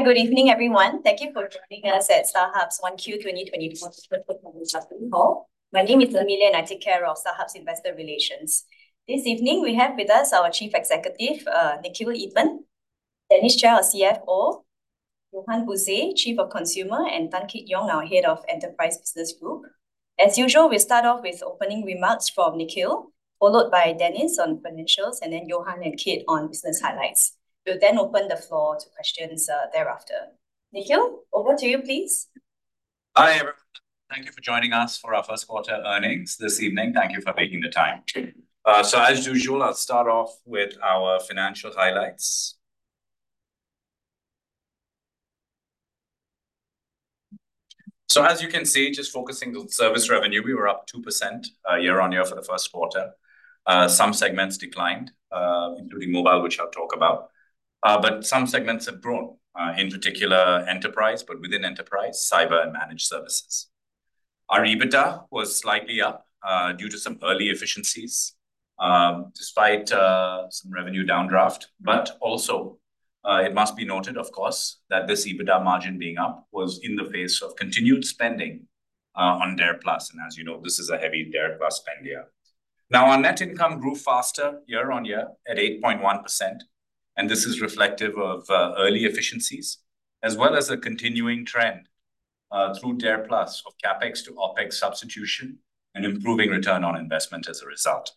Hi. Good evening, everyone. Thank thank you for joining us at StarHub's 1Q 2024 call. My name is Amelia and I take care of StarHub's investor relations. This evening, we have with us our Chief Executive, Nikhil Eapen, Dennis Chia, our CFO, Johan Buse, Chief of Consumer, and Tan Kit Yong, our Head of Enterprise Business Group. As usual, we start off with opening remarks from Nikhil, followed by Dennis on financials, then Johan and Kit on business highlights. We'll open the floor to questions thereafter. Nikhil, over to you, please. Hi, everyone. Thank you for joining us for our first quarter earnings this evening. Thank you for making the time. As usual, I'll start off with our financial highlights. As you can see, just focusing on service revenue, we were up 2% year-on-year for the first quarter. Some segments declined, including mobile, which I'll talk about. Some segments have grown, in particular enterprise, but within enterprise, cyber and managed services. Our EBITDA was slightly up, due to some early efficiencies, despite some revenue downdraft. Also, it must be noted, of course, that this EBITDA margin being up was in the face of continued spending on DARE+. As you know, this is a heavy DARE+ spend year. Our net income grew faster year-on-year at 8.1%, and this is reflective of early efficiencies, as well as a continuing trend through DARE+ of CapEx to OpEx substitution and improving return on investment as a result.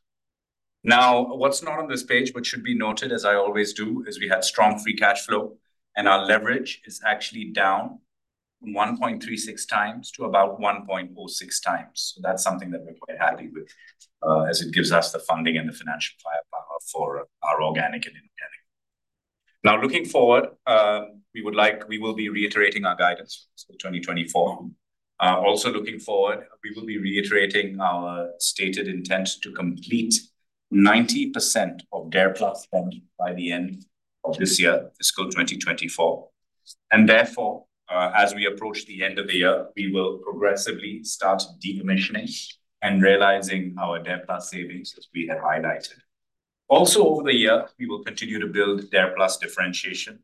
What's not on this page but should be noted, as I always do, is we have strong free cashflow and our leverage is actually down from 1.36x to about 1.06x. That's something that we're quite happy with, as it gives us the funding and the financial firepower for our organic and inorganic. Looking forward, we will be reiterating our guidance for 2024. Also looking forward, we will be reiterating our stated intent to complete 90% of DARE+ spend by the end of this year, fiscal 2024. Therefore, as we approach the end of the year, we will progressively start decommissioning and realizing our DARE+ savings as we had highlighted. Over the year, we will continue to build DARE+ differentiation.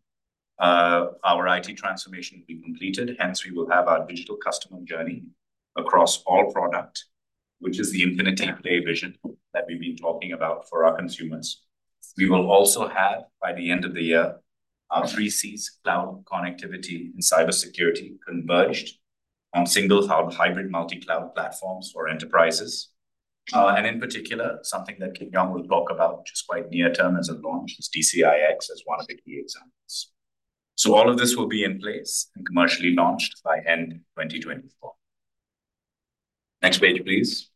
Our IT transformation will be completed, hence we will have our digital customer journey across all product, which is the Infinity Play vision that we've been talking about for our consumers. We will also have, by the end of the year, our three Cs, cloud, connectivity and cybersecurity, converged on single hub hybrid multi-cloud platforms for enterprises. In particular, something that Kit Yong will talk about, which is quite near-term as a launch, is DCIX as one of the key examples. All of this will be in place and commercially launched by end 2024. Next page, please.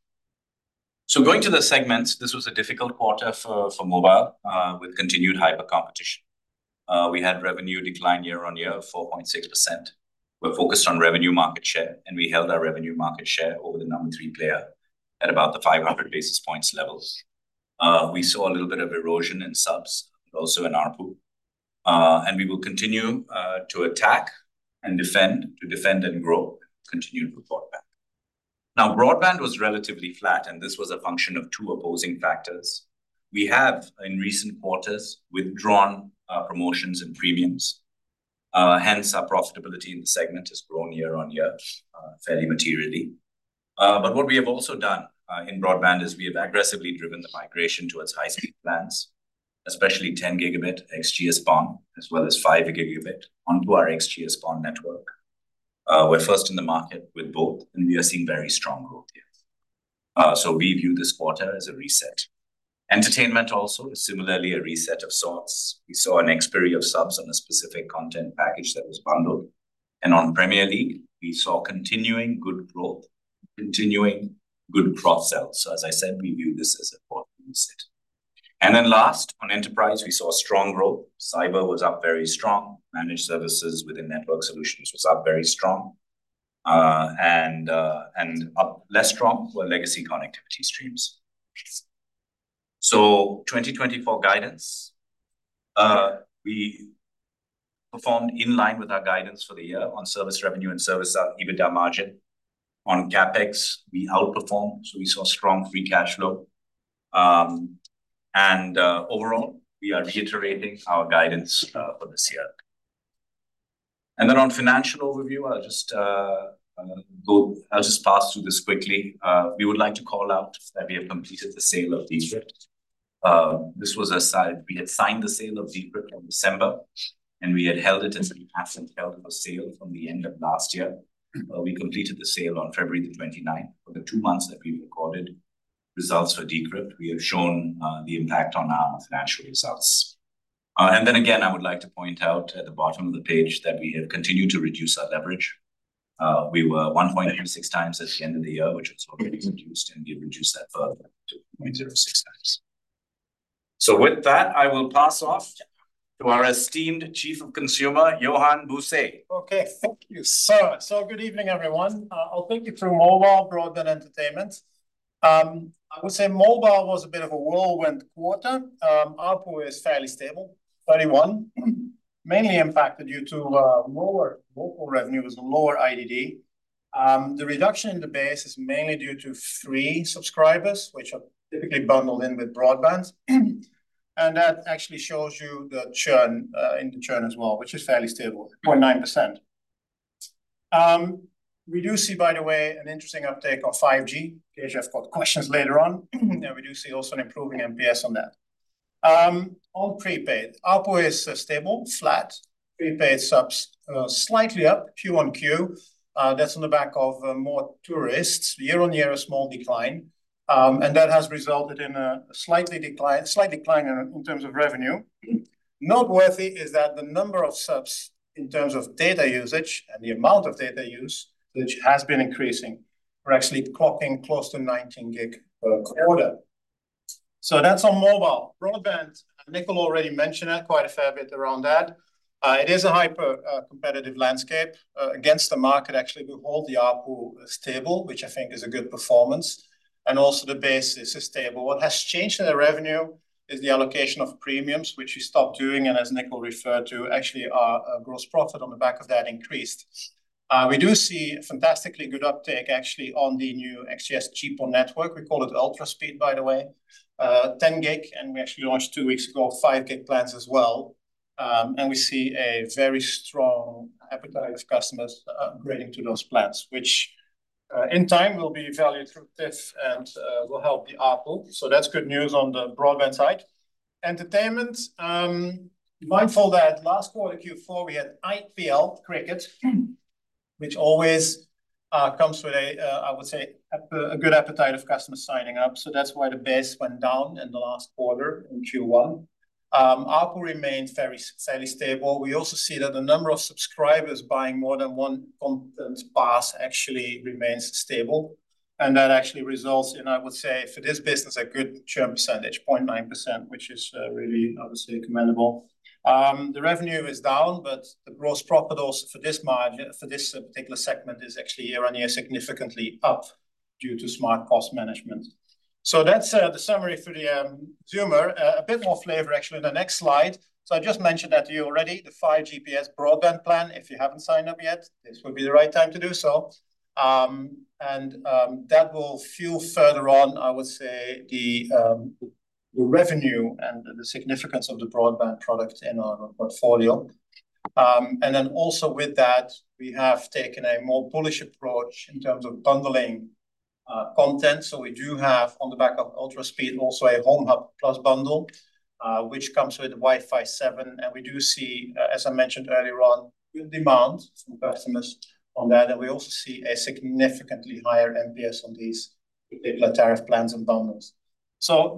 Going to the segments, this was a difficult quarter for mobile with continued hyper competition. We had revenue decline year-on-year of 4.6%. We're focused on revenue market share, and we held our revenue market share over the number three player at about the 500 basis points levels. We saw a little bit of erosion in subs, but also in ARPU. We will continue to attack and defend and grow continual broadband. Now, broadband was relatively flat, and this was a function of two opposing factors. We have, in recent quarters, withdrawn promotions and premiums, hence our profitability in the segment has grown year-on-year fairly materially. What we have also done in broadband is we have aggressively driven the migration towards high-speed plans, especially 10 Gb XGS-PON, as well as 5 Gb onto our XGS-PON network. We're first in the market with both, and we are seeing very strong growth here. We view this quarter as a reset. Entertainment also is similarly a reset of sorts. We saw an expiry of subs on a specific content package that was bundled. On Premier League, we saw continuing good growth, continuing good cross-sales. As I said, we view this as an important reset. Last, on enterprise, we saw strong growth. Cyber was up very strong. Managed services within network solutions was up very strong, and up less strong were legacy connectivity streams. 2024 guidance, we performed in line with our guidance for the year on service revenue and service EBITDA margin. On CapEx, we outperformed, so we saw strong free cash flow. Overall, we are reiterating our guidance for this year. On financial overview, I'll just pass through this quickly. We would like to call out that we have completed the sale of D'Crypt. This was a side. We had signed the sale of D'Crypt in December, and we had held it as we passed and held the sale from the end of last year. We completed the sale on February 29th. For the two months that we've recorded results for D'Crypt, we have shown the impact on our financial results. Then again, I would like to point out at the bottom of the page that we have continued to reduce our leverage. We were 1.36x at the end of the year, which has already been reduced, and we've reduced that further to 0.06x. With that, I will pass off to our esteemed Chief of Consumer, Johan Buse. Okay. Thank you, sir. Good evening, everyone. I'll take you through mobile, broadband, entertainment. I would say mobile was a bit of a whirlwind quarter. ARPU is fairly stable, 31, mainly impacted due to lower mobile revenue as lower IDD. The reduction in the base is mainly due to free subscribers, which are typically bundled in with broadband. That actually shows you the churn in the churn as well, which is fairly stable at 0.9%. We do see by the way, an interesting uptake of 5G in case you have got questions later on, and we do see also an improving NPS on that. On prepaid, ARPU is stable, flat. Prepaid subs slightly up QoQ. That's on the back of more tourists. Year-on-year, a small decline, and that has resulted in a slight decline in terms of revenue. Noteworthy is that the number of subs in terms of data usage and the amount of data used, which has been increasing, we're actually clocking close to 19 Gb per quarter. That's on mobile. Broadband, Nikhil already mentioned that, quite a fair bit around that. It is a hyper competitive landscape. Against the market actually we hold the ARPU stable, which I think is a good performance, and also the base is stable. What has changed in the revenue is the allocation of premiums, which we stopped doing, and as Nikhil referred to, actually our gross profit on the back of that increased. We do see fantastically good uptake actually on the new XGS-PON network. We call it UltraSpeed by the way. 10 Gb, and we actually launched two weeks ago 5 Gb plans as well. We see a very strong appetite of customers upgrading to those plans, which in time will be valued through TIF and will help the ARPU. That's good news on the broadband side. Entertainment, mindful that last quarter, Q4, we had IPL cricket, which always comes with a, I would say a good appetite of customers signing up. That's why the base went down in the last quarter, in Q1. ARPU remained very, fairly stable. We also see that the number of subscribers buying more than one content pass actually remains stable, and that actually results in, I would say, for this business, a good churn percentage, 0.9%, which is really obviously commendable. The revenue is down but the gross profit also for this particular segment is actually year-on-year significantly up due to smart cost management. That's the summary for the consumer. A bit more flavor actually in the next slide. I just mentioned that to you already, the 5G broadband plan. If you haven't signed up yet, this would be the right time to do so. That will fuel further on, I would say, the revenue and the significance of the broadband product in our portfolio. Also with that we have taken a more bullish approach in terms of bundling content. We do have on the back of UltraSpeed also a HomeHub+ bundle, which comes with Wi-Fi 7 and we do see, as I mentioned earlier on, good demand from customers on that. We also see a significantly higher NPS on these particular tariff plans and bundles.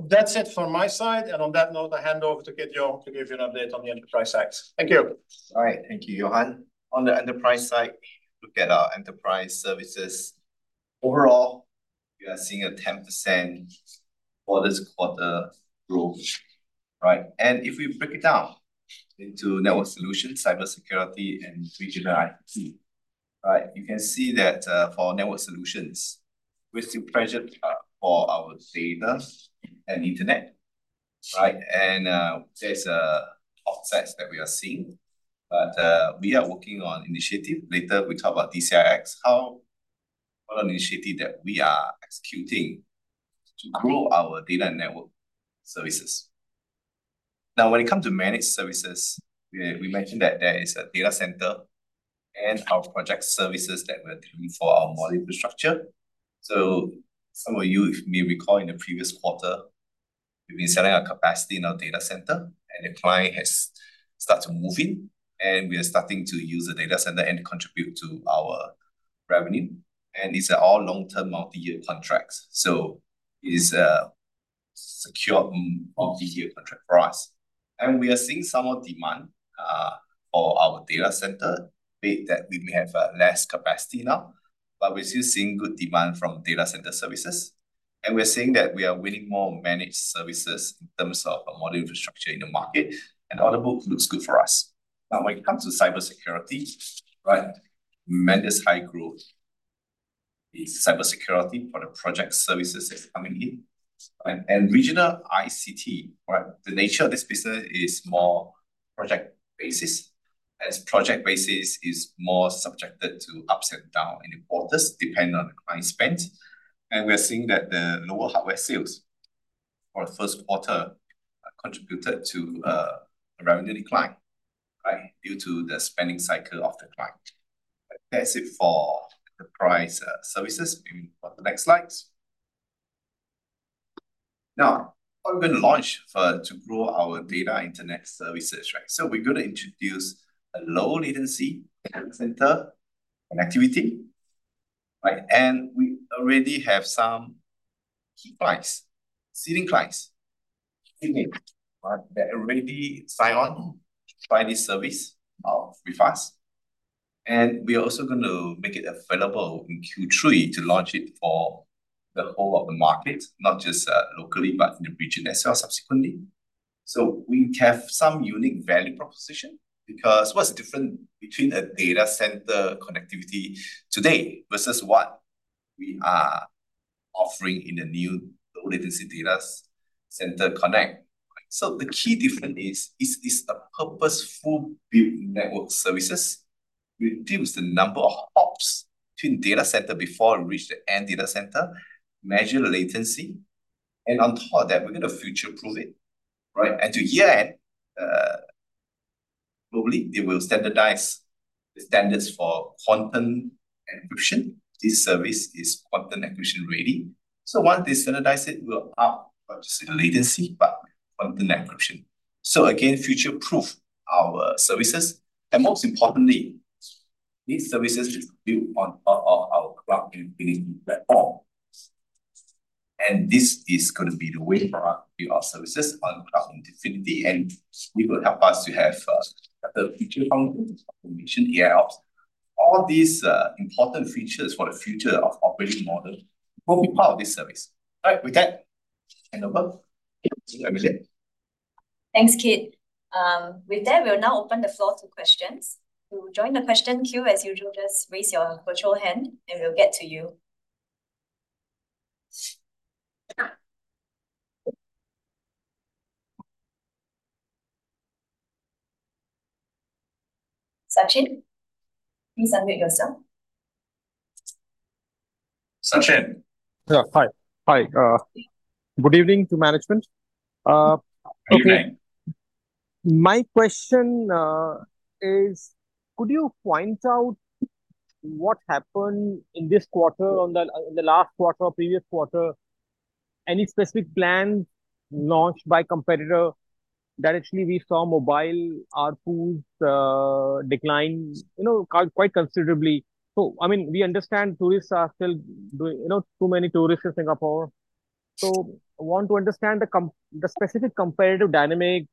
That's it for my side and on that note, I hand over to Tan Kit Yong to give you an update on the enterprise side. Thank you. All right, thank you, Johan. On the enterprise side, we look at our enterprise services. Overall, we are seeing a 10% for this quarter growth, right? If we break it down into network solutions, cybersecurity and regional ICT, right, you can see that for our network solutions, we're still pressured for our data and internet, right? There's offsets that we are seeing. We are working on initiative. Later we talk about DCIX, what initiative that we are executing to grow our data network services. Now when it comes to managed services, we mentioned that there is a data center and our project services that we're doing for our mobile infrastructure. Some of you may recall in the previous quarter, we've been selling our capacity in our data center and the client has started to move in and we are starting to use the data center and contribute to our revenue, and these are all long-term multi-year contracts. It is a secure multi-year contract for us. We are seeing some demand for our data center, be it that we may have less capacity now, but we're still seeing good demand from data center services and we are seeing that we are winning more managed services in terms of a modern infrastructure in the market and order book looks good for us. When it comes to cybersecurity, right, tremendous high growth in cybersecurity for the project services that's coming in, right. Regional ICT, right, the nature of this business is more project basis, as project basis is more subjected to ups and down in the quarters depending on the client spend. We are seeing that the lower hardware sales for the first quarter contributed to a revenue decline, right, due to the spending cycle of the client. That's it for enterprise services. Maybe for the next slides. What we've been launched for, to grow our data internet services, right? We're gonna introduce a Low Latency Data Centre connectivity, right? We already have some key clients, seeding clients in it, right, that already sign on, try this service with us. We are also gonna make it available in Q3 to launch it for the whole of the market, not just locally but in the region as well subsequently. We have some unique value proposition because what's different between a data center connectivity today versus. Offering in the new Low Latency Data Centre Connect. The key difference is, it's a purposeful build network services. Reduce the number of hops between data center before it reach the end data center, measure the latency, and on top of that we're gonna future-proof it, right? To yet, globally they will standardize the standards for quantum encryption. This service is quantum encryption ready. Once they standardize it, we'll up, obviously, the latency, but quantum encryption. Again, future-proof our services. Most importantly, these services is built on top of our Cloud Infinity platform. This is gonna be the way for us to build our services on Cloud Infinity, and it will help us to have, better future functions, automation, AIOps. All these, important features for the future of operating model will be part of this service. All right. With that, hand over to Amelia. Thanks, Kit. With that, we'll now open the floor to questions. To join the question queue, as usual, just raise your virtual hand and we'll get to you. Sachin, please unmute yourself. Sachin. Yeah. Hi. Hi. Good evening to management. Good evening. My question is could you point out what happened in this quarter on the last quarter or previous quarter, any specific plan launched by competitor that actually we saw mobile ARPU decline, you know, quite considerably. I mean, we understand tourists are still doing. You know, too many tourists in Singapore. I want to understand the specific competitive dynamic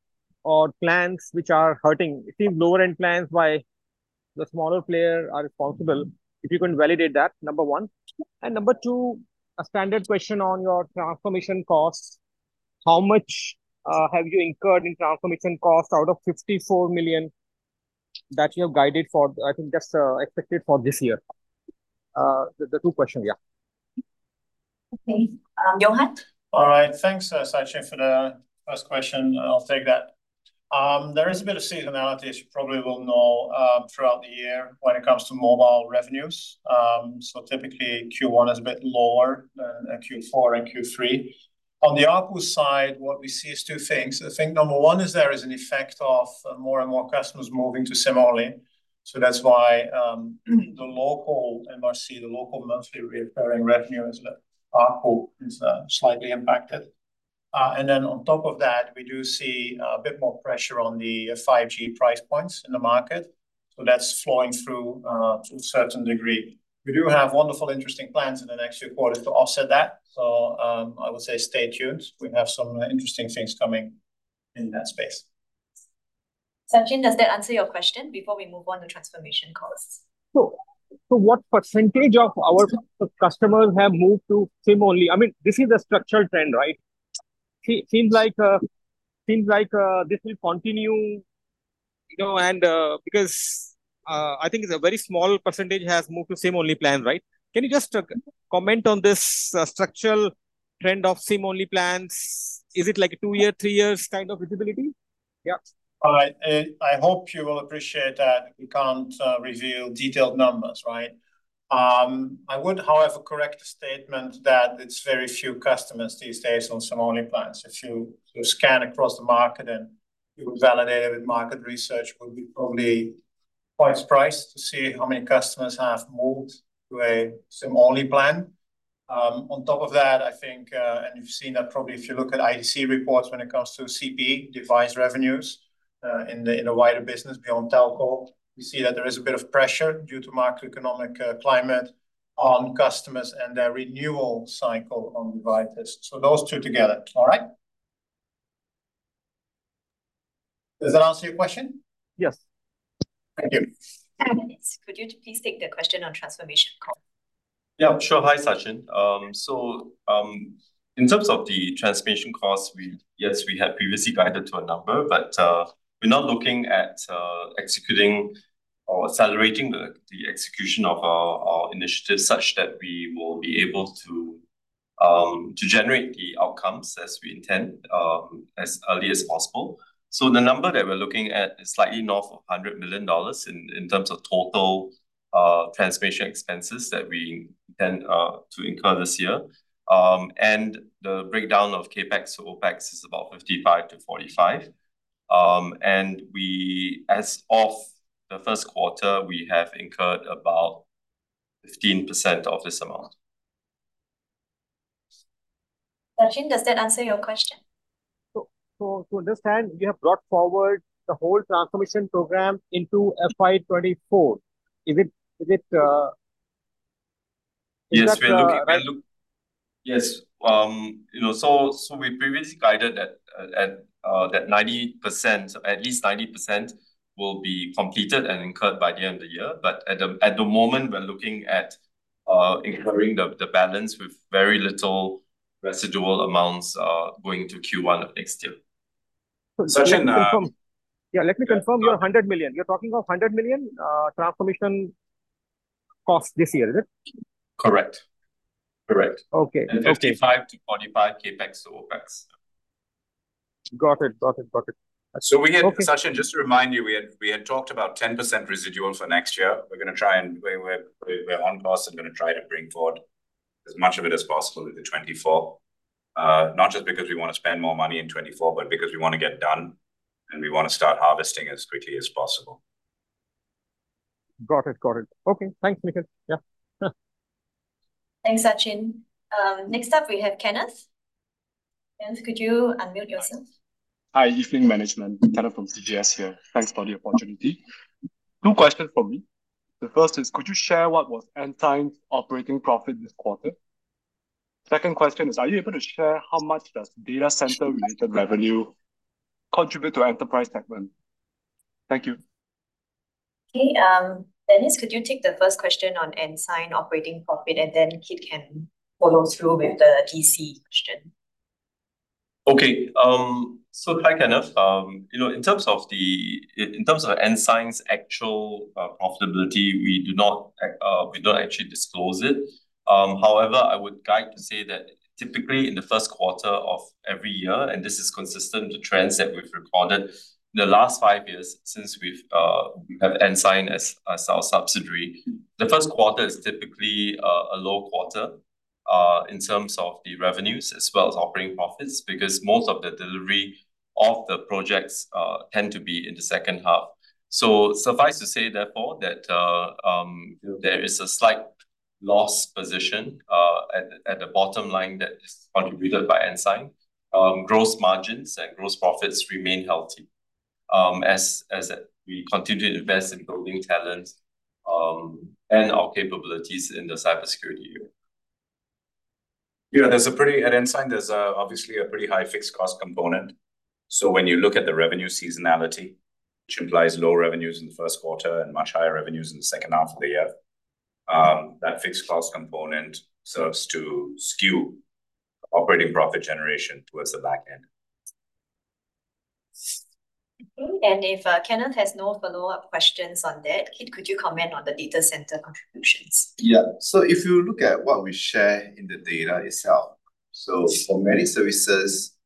or plans which are hurting. It seems lower-end plans by the smaller player are responsible. If you can validate that, number one. Number two, a standard question on your transformation costs. How much have you incurred in transformation costs out of 54 million that you have guided for. I think that's expected for this year. The two question. Yeah. Okay. Johan. All right. Thanks, Sachin, for the first question. I'll take that. There is a bit of seasonality, as you probably well know, throughout the year when it comes to mobile revenues. Typically Q1 is a bit lower than Q4 and Q3. On the ARPU side, what we see is two things. I think number one is there is an effect of more and more customers moving to SIM-only. That's why, the local MRC, the local monthly recurring revenue as ARPU is slightly impacted. On top of that, we do see a bit more pressure on the 5G price points in the market, so that's flowing through to a certain degree. We do have wonderful interesting plans in the next few quarters to offset that. I would say stay tuned. We have some interesting things coming in that space. Sachin, does that answer your question before we move on to transformation costs? What percentage of our customers have moved to SIM-only? I mean, this is a structured trend, right? seems like this will continue, you know, and because I think it's a very small percentage has moved to SIM-only plans, right? Can you just comment on this structural trend of SIM-only plans? Is it like a two year, three years kind of visibility? Yeah. All right. I hope you will appreciate that we can't reveal detailed numbers, right? I would, however, correct the statement that it's very few customers these days on SIM-only plans. If you scan across the market and you validate it with market research, would be probably quite surprised to see how many customers have moved to a SIM-only plan. On top of that, I think, and you've seen that probably if you look at IDC reports when it comes to CPE device revenues, in the wider business beyond telco, you see that there is a bit of pressure due to macroeconomic climate on customers and their renewal cycle on devices. Those two together. All right? Does that answer your question? Yes. Thank you. Could you please take the question on transformation cost? Yeah, sure. Hi, Sachin. In terms of the transformation costs, Yes, we had previously guided to a number, we're now looking at executing or accelerating the execution of our initiatives such that we will be able to generate the outcomes as we intend as early as possible. The number that we're looking at is slightly north of 100 million dollars in terms of total transformation expenses that we intend to incur this year. The breakdown of CapEx to OpEx is about 55%-45%. We, as of the first quarter, have incurred about 15% of this amount. Sachin, does that answer your question? To understand, you have brought forward the whole transformation program into FY 2024. Is it? Yes, we're looking. Is that the plan? Yes. You know, so we previously guided at that 90%, at least 90% will be completed and incurred by the end of the year. At the moment, we're looking at incurring the balance with very little residual amounts going into Q1 of next year. Sachin, Yeah, let me confirm your 100 million. You're talking of 100 million transformation cost this year, is it? Correct. Correct. Okay. Okay. 55%-45% CapEx to OpEx. Got it. Got it. Got it. We had- Okay Sachin, just to remind you, we had talked about 10% residual for next year. We're gonna try and we're on course and gonna try to bring forward as much of it as possible into 2024, not just because we wanna spend more money in 2024, but because we wanna get done and we wanna start harvesting as quickly as possible. Got it. Okay, thanks, Nikhil. Yeah. Thanks, Sachin. Next up we have Kenneth. Kenneth, could you unmute yourself? Hi, Evening management. Kenneth from CGS here. Thanks for the opportunity. Two questions from me. The first is, could you share what was Ensign's operating profit this quarter? Second question is, are you able to share how much does data center related revenue contribute to enterprise segment? Thank you. Okay. Dennis, could you take the first question on Ensign operating profit, and then Kit can follow through with the DC question? Okay. Hi, Kenneth. You know, in terms of Ensign's actual profitability, we don't actually disclose it. However, I would guide to say that typically in the first quarter of every year, and this is consistent to trends that we've recorded the last five years since we've have Ensign as our subsidiary, the first quarter is typically a low quarter in terms of the revenues as well as operating profits because most of the delivery of the projects tend to be in the second half. Suffice to say, therefore, that, you know, there is a slight loss position at the bottom line that is contributed by Ensign. Gross margins and gross profits remain healthy, as we continue to invest in building talent, and our capabilities in the cybersecurity area. You know, at Ensign, there's obviously a pretty high fixed cost component. When you look at the revenue seasonality, which implies low revenues in the first quarter and much higher revenues in the second half of the year, that fixed cost component serves to skew operating profit generation towards the back end. Okay. If Kenneth has no follow-up questions on that, Kit, could you comment on the data center contributions? If you look at what we share in the data itself, so for managed services,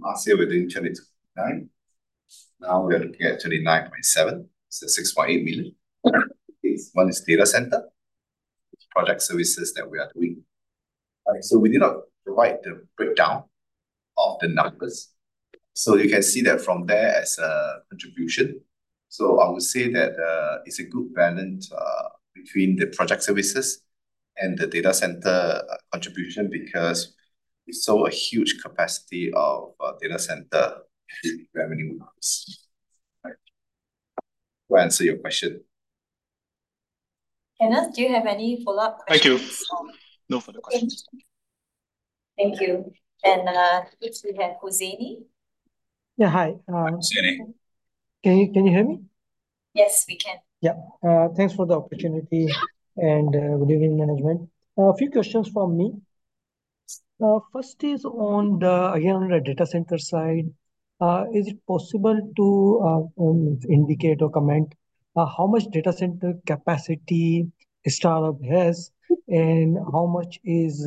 last year we did 29%, now we are looking at 29.7%, so 6.8 million. One is data center, project services that we are doing. We do not provide the breakdown of the numbers, so you can see that from there as a contribution. I would say that it's a good balance between the project services and the data center contribution because we saw a huge capacity of data center revenue loss. That will answer your question. Kenneth, do you have any follow-up questions? Thank you. No follow-up questions. Thank you. Thank you. Next we have Hussaini. Yeah, hi. Hussaini. Can you hear me? Yes, we can. Yeah. Thanks for the opportunity and good evening, management. A few questions from me. First is on the, again, on the data center side, is it possible to indicate or comment how much data center capacity StarHub has, and how much is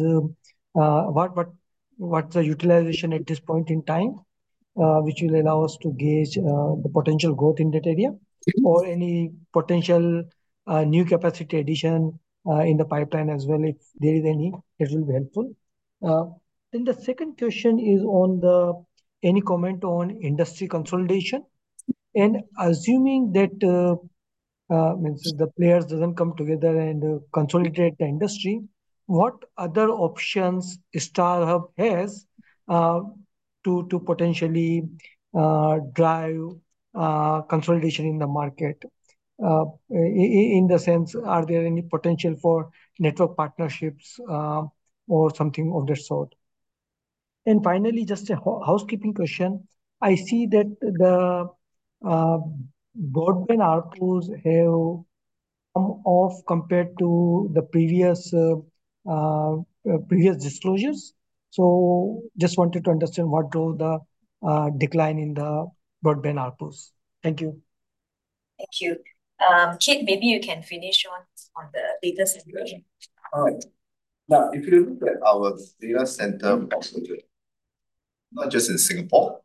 what's the utilization at this point in time, which will allow us to gauge the potential growth in that area or any potential new capacity addition in the pipeline as well, if there is any, that will be helpful. Then the second question is on the, any comment on industry consolidation? Assuming that means the players doesn't come together and consolidate the industry, what other options StarHub has to potentially drive consolidation in the market? In the sense, are there any potential for network partnerships, or something of that sort? Finally, just a housekeeping question. I see that the broadband ARPUs have come off compared to the previous disclosures. Just wanted to understand what drove the decline in the broadband ARPUs. Thank you. Thank you. Kit, maybe you can finish on the data center question. All right. If you look at our data center Mm-hmm. Not just in Singapore,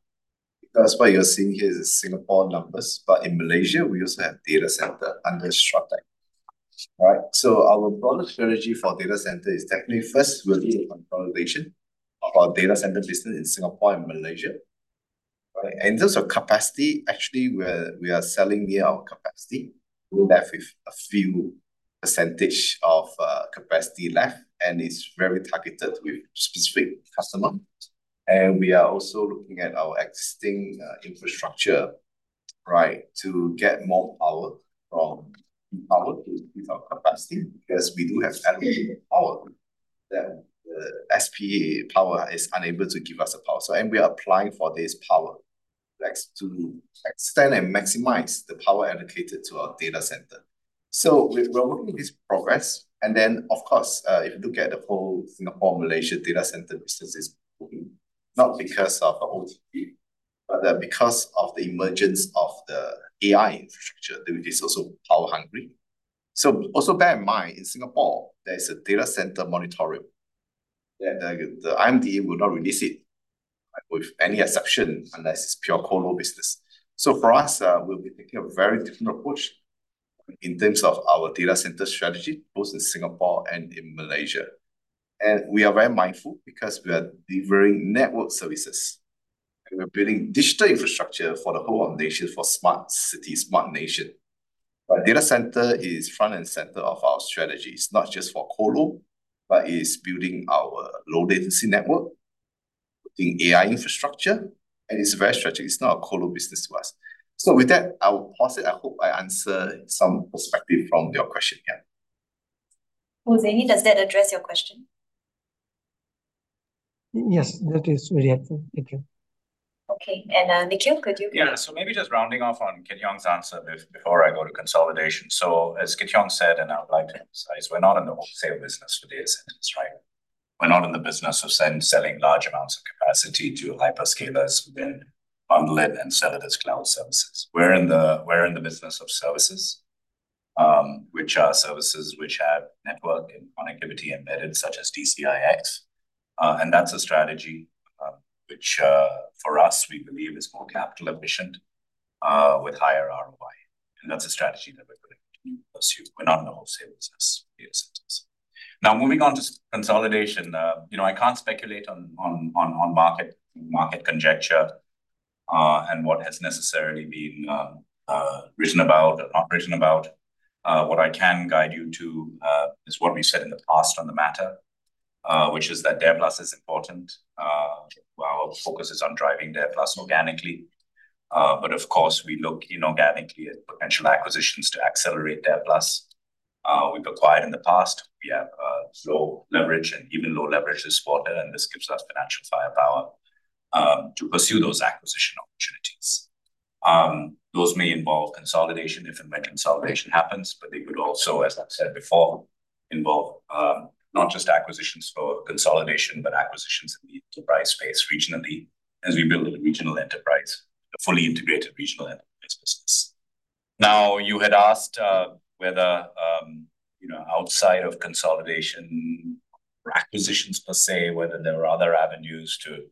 because what you're seeing here is Singapore numbers, but in Malaysia we also have data center under Strateq. Right? Our broader strategy for data center is technically first we'll take consolidation of our data center business in Singapore and Malaysia. Right. In terms of capacity, actually we are selling near our capacity. We're left with a few percentage of capacity left, and it's very targeted with specific customer. We are also looking at our existing infrastructure, right, to get more power with our capacity, because we do have power that the SP power is unable to give us the power. We are applying for this power, like, to extend and maximize the power allocated to our data center. We're working with this progress. Of course, if you look at the whole Singapore, Malaysia data center business is booming, not because of OTT, but because of the emergence of the AI infrastructure that is also power hungry. Also bear in mind, in Singapore there is a data center moratorium that the IMDA will not release it, with any exception, unless it's pure colo business. For us, we'll be taking a very different approach in terms of our data center strategy, both in Singapore and in Malaysia. We are very mindful because we are delivering network services, and we're building digital infrastructure for the whole of nation for smart city, smart nation. Our data center is front and center of our strategy. It's not just for colo, but it's building our low latency network, putting AI infrastructure, and it's very strategic. It's not a colo business to us. With that, I will pause it. I hope I answered some perspective from your question. Yeah. Hussaini, does that address your question? Yes. That is very helpful. Thank you. Okay. Nikhil. Yeah. Maybe just rounding off on Kit's answer before I go to consolidation. As Kit said, and I would like to emphasize, we're not in the wholesale business for data centers, right? We're not in the business of selling large amounts of capacity to hyperscalers who then bundle it and sell it as cloud services. We're in the, we're in the business of services, which are services which have network and connectivity embedded such as DCIX. And that's a strategy, which for us, we believe is more capital efficient, with higher ROI. That's a strategy that we're gonna continue to pursue. We're not in the wholesale business for data centers. Now, moving on to consolidation. You know, I can't speculate on market conjecture and what has necessarily been written about and not written about. What I can guide you to is what we said in the past on the matter, which is that DARE+ is important. Our focus is on driving DARE+ organically. Of course we look inorganically at potential acquisitions to accelerate DARE+. We've acquired in the past. We have low leverage this quarter, and this gives us financial firepower to pursue those acquisition opportunities. Those may involve consolidation if and when consolidation happens, they could also, as I've said before, involve not just acquisitions for consolidation, but acquisitions in the enterprise space regionally as we build a fully integrated regional enterprise business. Now, you had asked whether outside of consolidation or acquisitions per se, whether there are other avenues to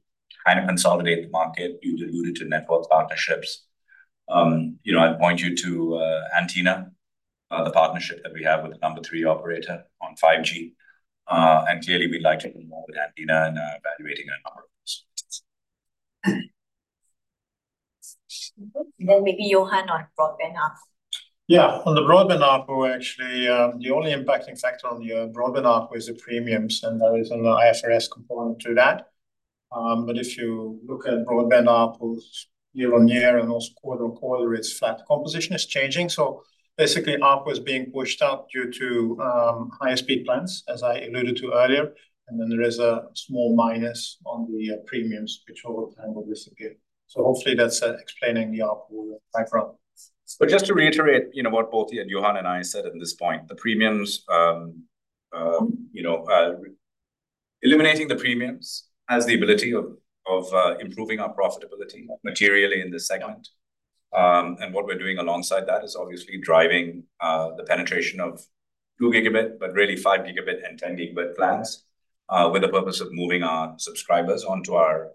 kind of consolidate the market. You'd alluded to network partnerships. I'd point you to Antina, the partnership that we have with the number three operator on 5G. Clearly we'd like to do more with Antina and are evaluating a number of possibilities. Okay. Maybe Johan on broadband ARPU. Yeah. On the broadband ARPU, actually, the only impacting factor on your broadband ARPU is the premiums, and there is an IFRS component to that. If you look at broadband ARPU year-on-year and also quarter-on-quarter, it's flat. Composition is changing. Basically ARPU is being pushed up due to higher speed plans, as I alluded to earlier. There is a small minus on the premiums, which over time will disappear. Hopefully that's explaining the ARPU background. Just to reiterate, you know, what both Johan and I said at this point, the premiums, you know, eliminating the premiums has the ability of improving our profitability materially in this segment. What we're doing alongside that is obviously driving the penetration of 2 Gb, but really 5 Gb and 10 Gb plans with the purpose of moving our subscribers onto our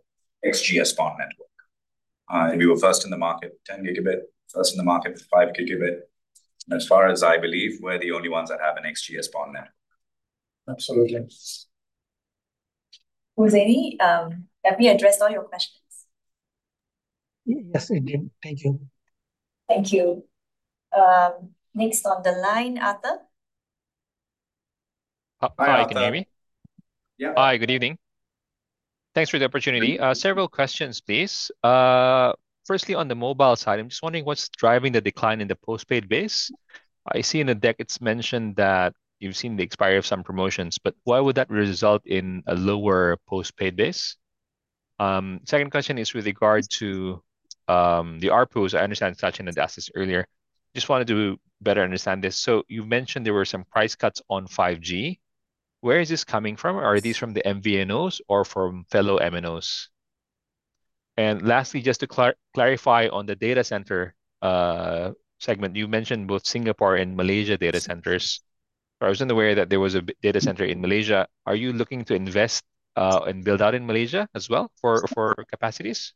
XGS-PON network. We were first in the market with 10 Gb, first in the market with 5 Gb. As far as I believe, we're the only ones that have an XGS-PON network. Absolutely. Hussaini, have we addressed all your questions? Yes, it did. Thank you. Thank you. Next on the line, Arthur. Hi. You can hear me? Hi, Arthur. Yeah. Hi, good evening. Thanks for the opportunity. Several questions, please. Firstly, on the mobile side, I'm just wondering what's driving the decline in the postpaid base. I see in the deck it's mentioned that you've seen the expiry of some promotions, why would that result in a lower postpaid base? Second question is with regard to the ARPU, I understand Sachin had asked this earlier. Just wanted to better understand this. You've mentioned there were some price cuts on 5G. Where is this coming from? Are these from the MVNOs or from fellow MNOs? Lastly, just to clarify on the data center segment, you mentioned both Singapore and Malaysia data centers. I wasn't aware that there was a data center in Malaysia. Are you looking to invest and build out in Malaysia as well for capacities?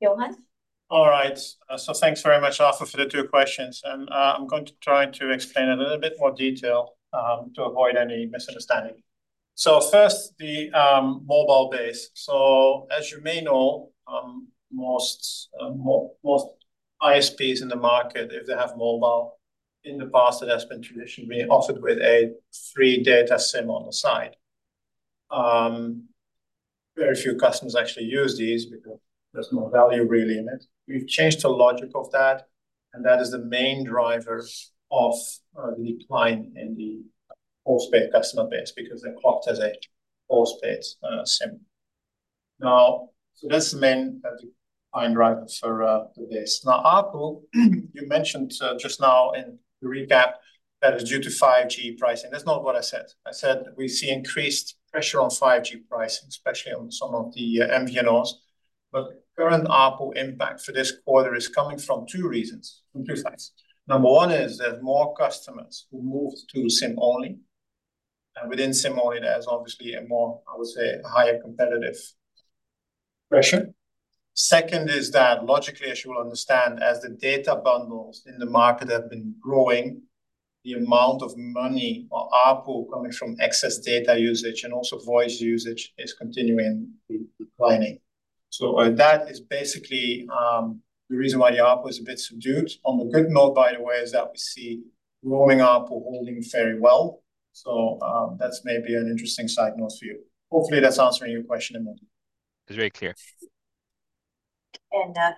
Johan? All right. Thanks very much, Arthur, for the two questions, and I'm going to try to explain a little bit more detail to avoid any misunderstanding. First, the mobile base. As you may know, most ISPs in the market, if they have mobile in the past, it has been traditionally offered with a free data SIM on the side. Very few customers actually use these because there's no value really in it. We've changed the logic of that, and that is the main driver of the decline in the postpaid customer base because they're clocked as a postpaid SIM That's the main driving for this. Arthur, you mentioned just now in the recap that it's due to 5G pricing. That's not what I said. I said we see increased pressure on 5G pricing, especially on some of the MVNOs. Current ARPU impact for this quarter is coming from two reasons, from two sides. Number one is there's more customers who move to SIM-only, and within SIM-only there's obviously a more, I would say, higher competitive pressure. Second is that logically, as you will understand, as the data bundles in the market have been growing, the amount of money or ARPU coming from excess data usage and also voice usage is continuing declining. That is basically the reason why the ARPU is a bit subdued. On the good note, by the way, is that we see roaming ARPU holding very well. That's maybe an interesting side note for you. Hopefully that's answering your question, Arthur. It's very clear.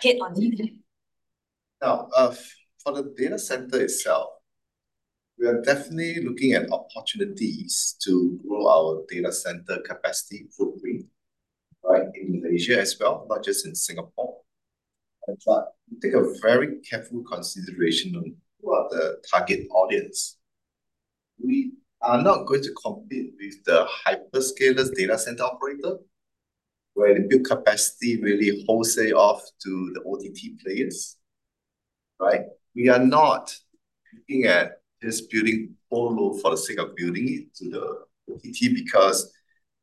Kit on mute. Now, for the data center itself, we are definitely looking at opportunities to grow our data center capacity footprint, right, in Malaysia as well, not just in Singapore. We take a very careful consideration on who are the target audience. We are not going to compete with the hyperscalers data center operator, where they build capacity really wholesale off to the OTT players, right? We are not looking at just building colo for the sake of building it to the OTT because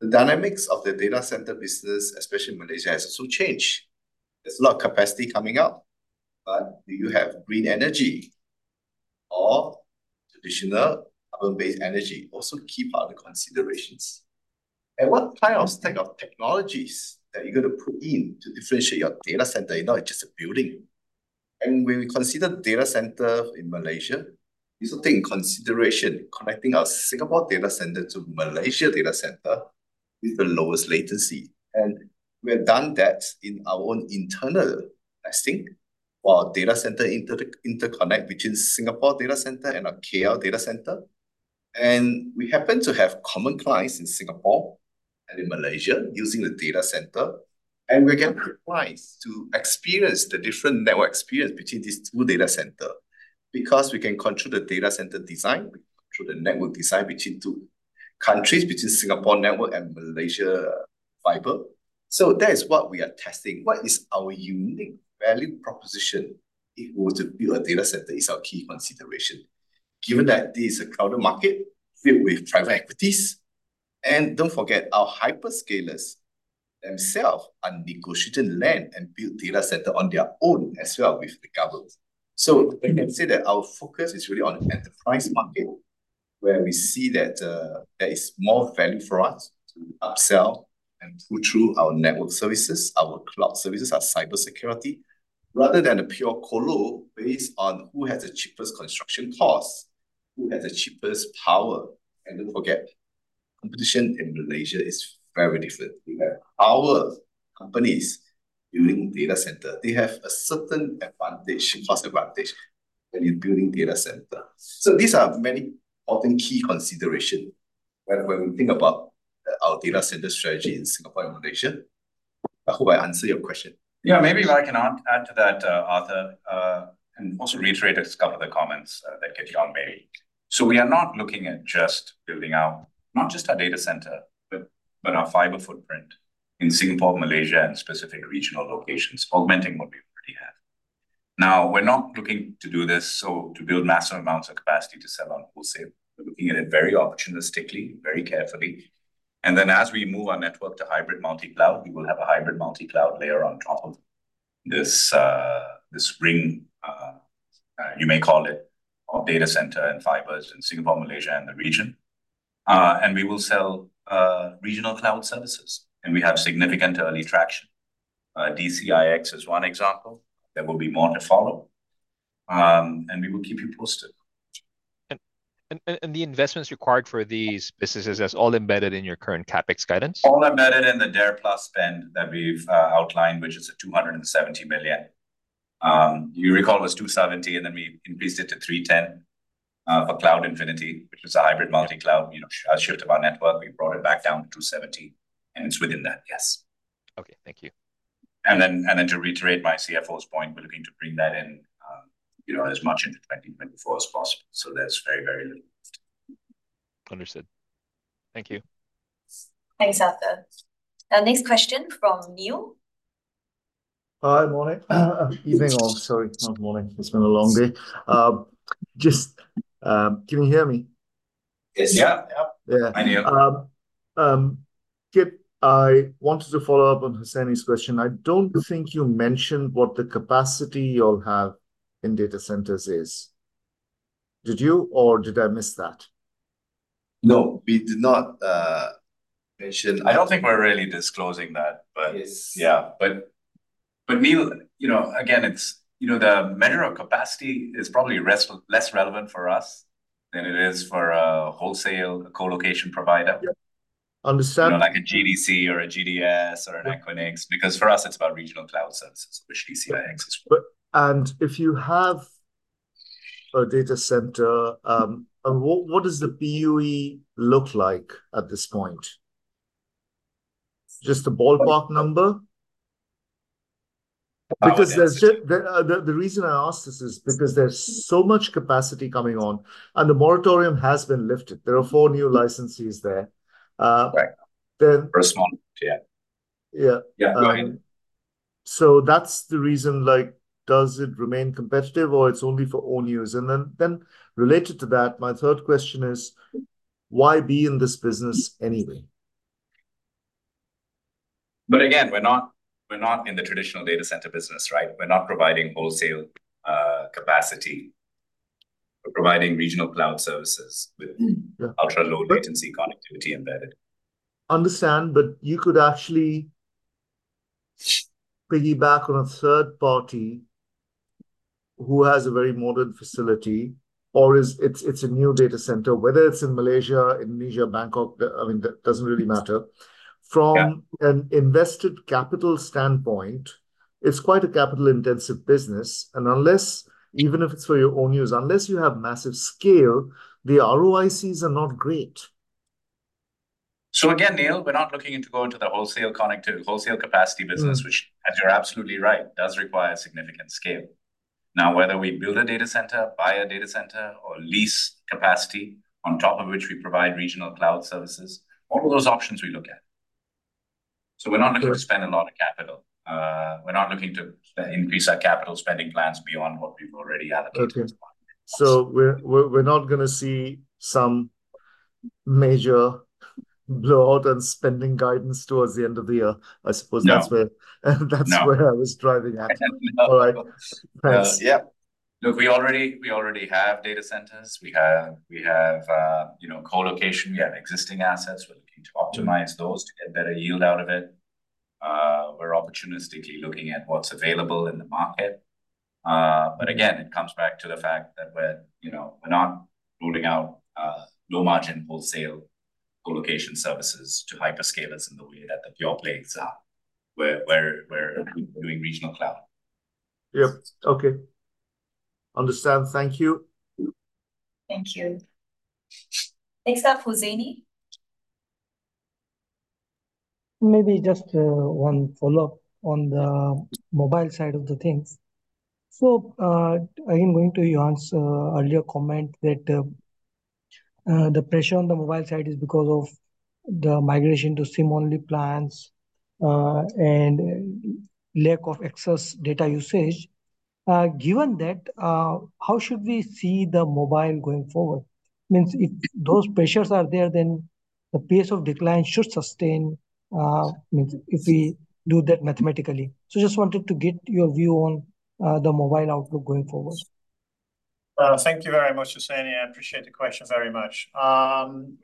the dynamics of the data center business, especially in Malaysia, has also changed. There's a lot of capacity coming up. Do you have green energy or traditional urban-based energy also keep other considerations. What kind of stack of technologies that you're gonna put in to differentiate your data center? You know, it's just a building. When we consider data center in Malaysia, we also take in consideration connecting our Singapore data center to Malaysia data center with the lowest latency. We have done that in our own internal testing for our data center interconnect between Singapore data center and our KL data center. We happen to have common clients in Singapore and in Malaysia using the data center, and we get clients to experience the different network experience between these two data center, because we can control the data center design, we control the network design between two countries, between Singapore network and Malaysia fiber. That is what we are testing. What is our unique value proposition if we were to build a data center, is our key consideration, given that this is a crowded market filled with private equities. Don't forget our hyperscalers themselves are negotiating land and build data center on their own as well with the government. We can say that our focus is really on enterprise market where we see that there is more value for us to upsell and pull through our network services, our cloud services, our cybersecurity, rather than a pure colo based on who has the cheapest construction cost, who has the cheapest power. Don't forget, competition in Malaysia is very different. We have our companies building data center. They have a certain advantage, cost advantage when you're building data center. These are very often key consideration when we think about our data center strategy in Singapore and Malaysia. I hope I answer your question. Yeah. Maybe I can add to that, Arthur, and also reiterate a couple of the comments that Tan Kit Yong made. We are not looking at just building out not just our data center, but our fiber footprint in Singapore, Malaysia and specific regional locations, augmenting what we already have. We're not looking to do this, to build massive amounts of capacity to sell on wholesale. We're looking at it very opportunistically, very carefully. As we move our network to hybrid multi-cloud, we will have a hybrid multi-cloud layer on top of this ring, you may call it, of data center and fibers in Singapore, Malaysia and the region. We will sell regional cloud services, and we have significant early traction. DCIX is one example. There will be more to follow. We will keep you posted. The investments required for these businesses, that's all embedded in your current CapEx guidance? All embedded in the DARE+ spend that we've outlined, which is at 270 million. You recall it was 270 million, and then we increased it to 310 million for Cloud Infinity, which was a hybrid multi-cloud, you know, a shift of our network. We brought it back down to 270 million, and it's within that, yes. Okay. Thank you. To reiterate my CFO's point, we're looking to bring that in, you know, as much into 2024 as possible. That's very little. Understood. Thank you. Thanks, Arthur. Our next question from [Neil]. Hi. Morning. Evening all. Sorry, not morning. It's been a long day. Can you hear me? Yes. Yeah. Yeah. I can. Kit, I wanted to follow up on Hussaini's question. I don't think you mentioned what the capacity you'll have in data centers is. Did you or did I miss that? No, we did not. I don't think we're really disclosing that. Yes... yeah. [Neil], you know, again, it's, you know, the measure of capacity is probably less relevant for us than it is for a wholesale co-location provider. Yeah. You know, like a GDC or a GDS or an Equinix, because for us it's about regional cloud services, which DCIX is for. per data center. What does the PUE look like at this point? Just a ballpark number. Well. The reason I ask this is because there's so much capacity coming on, and the moratorium has been lifted. There are four new licensees there. Right... then- Response, yeah. Yeah. Yeah. Go ahead. That's the reason, like, does it remain competitive or it's only for own use? Then related to that, my third question is why be in this business anyway? Again, we're not in the traditional data center business, right? We're not providing wholesale capacity. We're providing regional cloud services. Yeah. Ultra-low latency connectivity embedded. Understand, you could actually piggyback on a third party who has a very modern facility or it's a new data center, whether it's in Malaysia, Indonesia, Bangkok, I mean, that doesn't really matter. Yeah. From an invested capital standpoint, it's quite a capital intensive business and unless, even if it's for your own use, unless you have massive scale, the ROICs are not great. Again, [Neil], we're not looking into going to the wholesale connectivity, wholesale capacity business. Mm... which, and you're absolutely right, does require significant scale. Whether we build a data center, buy a data center or lease capacity on top of which we provide regional cloud services, all of those options we look at. We're not looking. Good to spend a lot of capital. We're not looking to increase our Capital Expenditure spending plans beyond what we've already allocated as part of it. Okay. we're not gonna see some major blow out in spending guidance towards the end of the year, I suppose. No that's where No that's where I was driving at. Definitely not. All right. Thanks. Yeah. Look, we already have data centers. We have, you know, co-location. We have existing assets. We're looking to optimize- Mm ...those to get better yield out of it. We're opportunistically looking at what's available in the market. Again, it comes back to the fact that we're, you know, we're not ruling out low margin wholesale co-location services to hyperscalers in the way that the pure plays are. We're doing regional cloud. Yep. Okay. Understand. Thank you. Thank you. Next up, Hussaini. Maybe just one follow-up on the mobile side of the things. Again, going to Johan's earlier comment that the pressure on the mobile side is because of the migration to SIM-only plans and lack of excess data usage. Given that, how should we see the mobile going forward? Means if those pressures are there, then the pace of decline should sustain, means if we do that mathematically. Just wanted to get your view on the mobile outlook going forward. Thank you very much, Hussaini. I appreciate the question very much.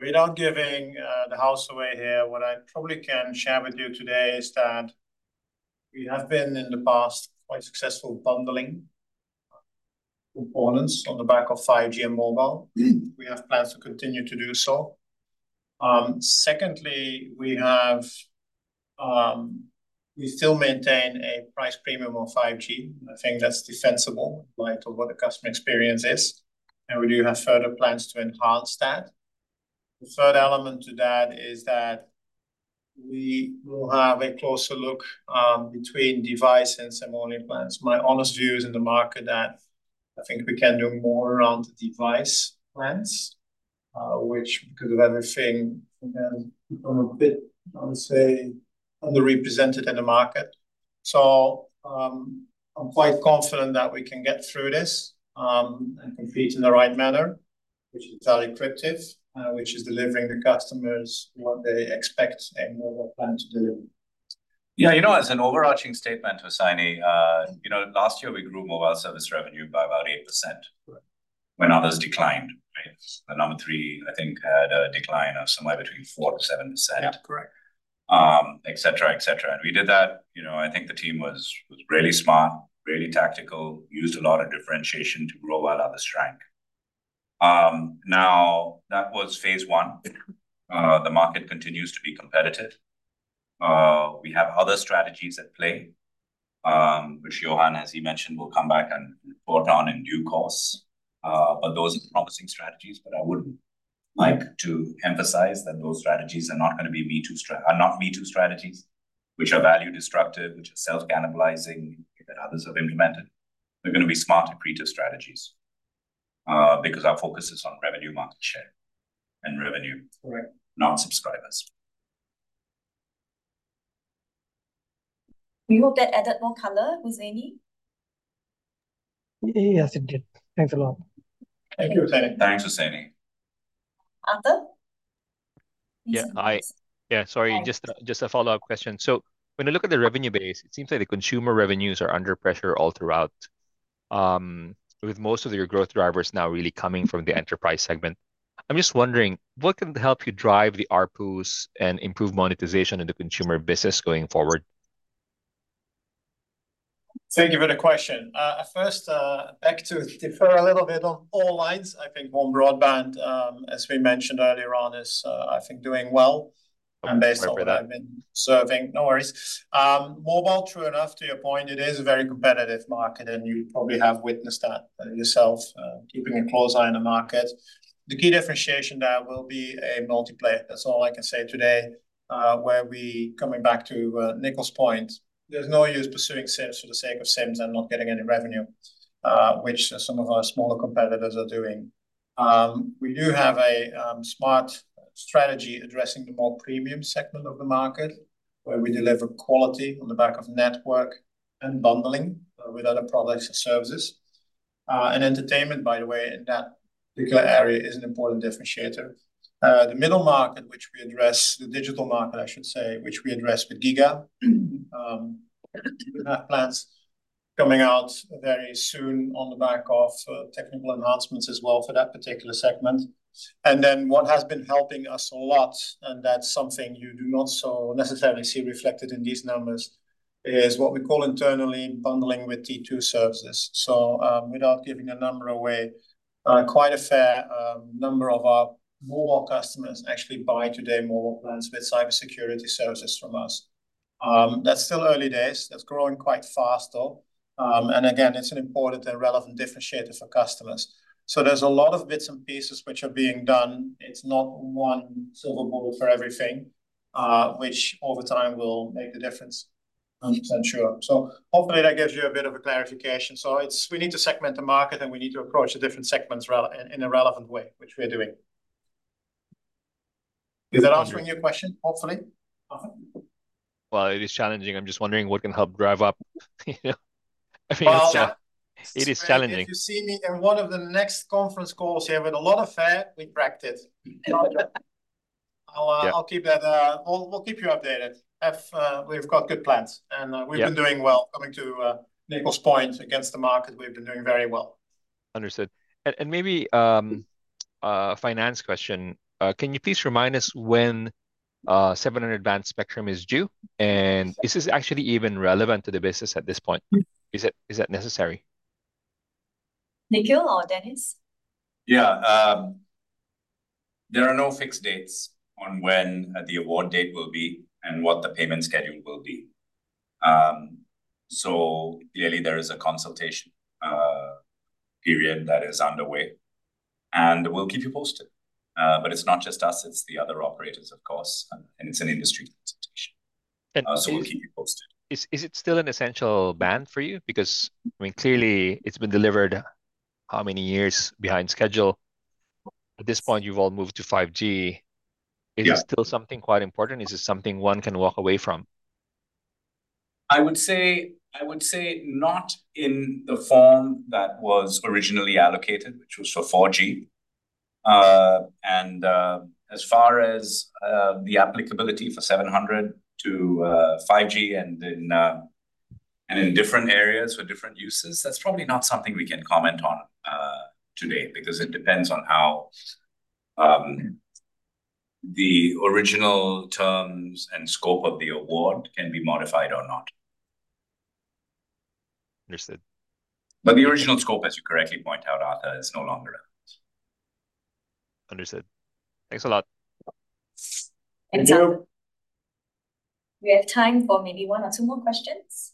Without giving the house away here, what I probably can share with you today is that we have been in the past quite successful bundling components on the back of 5G and mobile. We have plans to continue to do so. Secondly, we have, we still maintain a price premium on 5G. I think that's defensible in light of what the customer experience is, and we do have further plans to enhance that. The third element to that is that we will have a closer look between device and SIM-only plans. My honest view is in the market that I think we can do more around the device plans, which because of everything from them are a bit, I would say, underrepresented in the market. I'm quite confident that we can get through this, and compete in the right manner, which is entirely constructive, which is delivering the customers what they expect a mobile plan to deliver. Yeah. You know, as an overarching statement, Hussaini, you know, last year we grew mobile service revenue by about 8%. Correct... when others declined, right? The number three, I think had a decline of somewhere between 4%-7%. Yeah. Correct. Et cetera, et cetera. We did that. You know, I think the team was really smart, really tactical, used a lot of differentiation to grow out of the strength. Now that was phase one. The market continues to be competitive. We have other strategies at play, which Johan, as he mentioned, will come back and report on in due course. Those are promising strategies, but I would like to emphasize that those strategies are not gonna be me too strategies, which are value destructive, which are self cannibalizing that others have implemented. They're gonna be smart accretive strategies, because our focus is on revenue market share and revenue. Correct not subscribers. We hope that added more color, Hussaini. Yes, it did. Thanks a lot. Thank you, Hussaini. Thanks, Hussaini. Arthur? Yeah. Please. Yeah. Sorry. Thanks. Just a follow-up question. When I look at the revenue base, it seems like the consumer revenues are under pressure all throughout, with most of your growth drivers now really coming from the enterprise segment. I'm just wondering, what can help you drive the ARPUs and improve monetization in the consumer business going forward? Thank you for the question. First, back to differ a little bit on all lines. I think home broadband, as we mentioned earlier on, is, I think, doing well. Based on what I've been serving. No worries. Mobile, true enough, to your point, it is a very competitive market, and you probably have witnessed that yourself, keeping a close eye on the market. The key differentiation there will be a multi-play. That's all I can say today. Where we, coming back to Nikhil's point, there's no use pursuing SIMs for the sake of SIMs and not getting any revenue, which some of our smaller competitors are doing. We do have a smart strategy addressing the more premium segment of the market where we deliver quality on the back of network and bundling with other products and services. Entertainment, by the way, in that particular area is an important differentiator. The middle market which we address, the digital market I should say, which we address with giga!, we have plans coming out very soon on the back of technical enhancements as well for that particular segment. What has been helping us a lot, and that's something you do not so necessarily see reflected in these numbers, is what we call internally bundling with T2 services. Without giving a number away, quite a fair number of our mobile customers actually buy today mobile plans with cybersecurity services from us. That's still early days. That's growing quite fast, though. Again, it's an important and relevant differentiator for customers. There's a lot of bits and pieces which are being done. It's not one silver bullet for everything, which over time will make the difference, I'm sure. Hopefully that gives you a bit of a clarification. We need to segment the market, and we need to approach the different segments in a relevant way, which we are doing. Is that answering your question hopefully, Arthur? Well, it is challenging. I'm just wondering what can help drive up you know. I mean, it's. Well- It is challenging.... if you see me in one of the next conference calls here with a lot of hair, we practiced. I'll. Yeah I'll keep that. We'll keep you updated. We've got good plans. Yeah. We've been doing well. Coming to Nikhil's point, against the market, we've been doing very well. Understood. Maybe, a finance question. Can you please remind us when 700 MHz spectrum is due? Is this actually even relevant to the business at this point? Is it necessary? Nikhil or Dennis? Yeah. There are no fixed dates on when the award date will be and what the payment schedule will be. Clearly there is a consultation period that is underway, and we'll keep you posted. It's not just us, it's the other operators of course. It's an industry consultation. And is- We'll keep you posted.... is it still an essential band for you? I mean, clearly it's been delivered how many years behind schedule? At this point you've all moved to 5G. Yeah. Is it still something quite important? Is it something one can walk away from? I would say not in the form that was originally allocated, which was for 4G. Yes. As far as the applicability for 700 to 5G and in different areas for different uses, that's probably not something we can comment on today because it depends on how the original terms and scope of the award can be modified or not. Understood. The original scope, as you correctly point out, Arthur, is no longer relevant. Understood. Thanks a lot. And so- Thank you. we have time for maybe one or two more questions.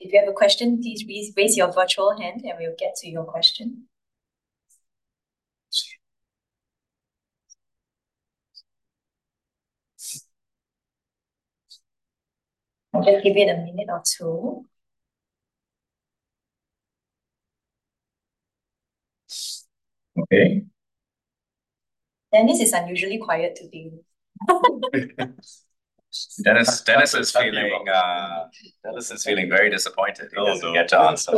If you have a question, please raise your virtual hand and we'll get to your question. I'll just give it a minute or two. Okay. Dennis is unusually quiet today. Dennis is feeling very disappointed. Oh. He doesn't get to answer.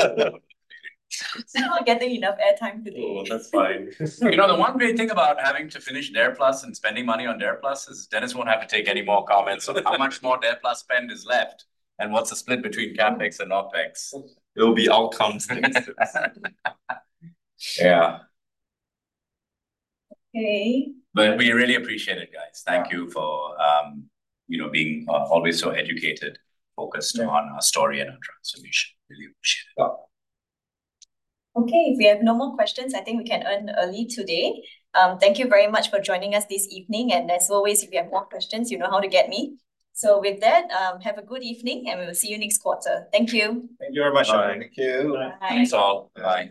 He's not getting enough air time today. Oh, that's fine. You know, the one great thing about having to finish DARE+ and spending money on DARE+ is Dennis won't have to take any more comments on how much more DARE+ spend is left and what's the split between CapEx and OpEx. It'll be outcomes next. Yeah. Okay. We really appreciate it, guys. Thank you for, you know, being always so educated, focused on our story and our transformation. Really appreciate it. Yeah. Okay. If we have no more questions, I think we can end early today. Thank you very much for joining us this evening, and as always, if you have more questions, you know how to get me. With that, have a good evening, and we will see you next quarter. Thank you. Thank you very much. Bye. Thank you. Bye. Thanks, all. Bye.